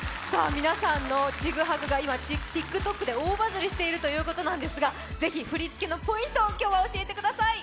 皆さんの「チグハグ」が今、ＴｉｋＴｏｋで大バズりしているということですが、ぜひ振り付けのポイントを今日は教えてください。